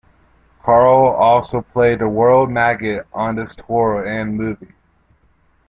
Krahl also played the World Maggot on this tour and movie.